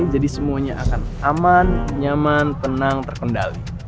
jadi semuanya akan aman nyaman penang terkendali